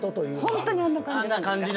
ホントにあんな感じなんですか？